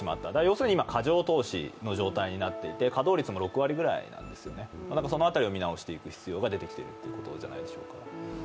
つまり今、過剰投資という状態になっていて稼働率も６割くらいなんですよね、その辺りも見直す必要が出てきているということなんじゃないでしょうか。